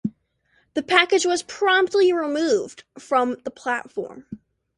The page was promptly removed from the platform.